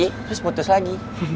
terus putus lagi